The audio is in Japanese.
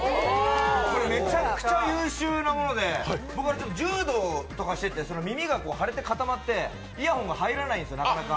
めちゃくちゃ優秀なもので、柔道とかしてて耳が腫れてかたまってイヤホンがなかなか入らないんですよ。